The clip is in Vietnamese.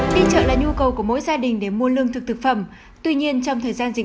đi chợ là nhu cầu của mỗi gia đình để mua lương thực thực phẩm tuy nhiên trong thời gian dịch